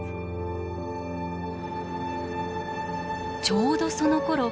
ちょうどそのころ。